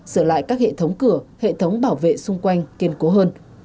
sửa lại các hệ thống cửa hệ thống bảo vệ xung quanh kiên cố hơn